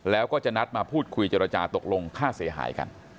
แล้วก็จะนัดมาพูดคุยเจรจาตกลงค่าเสียหายกัน